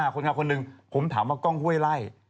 คนงานคนหนึ่งผมถามว่ากล้องห้วยไล่